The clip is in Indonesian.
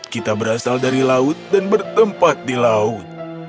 kita berasal dari laut dan bertempat di laut